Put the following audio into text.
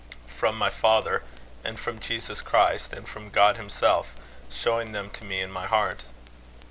"From my father, and from Jesus Christ, and from God himself, showing them to me in my heart."